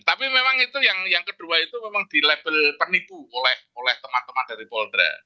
tapi memang itu yang kedua itu memang di label penipu oleh teman teman dari polda